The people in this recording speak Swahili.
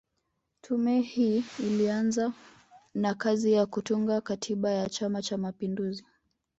Tume hii ilianza na kazi ya kutunga Katiba ya Chama Cha mapinduzi